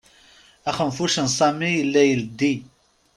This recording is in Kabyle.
Axenfuc n Sami yella yeldi.